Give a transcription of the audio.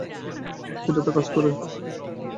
অস্থিরতা কাজ করে।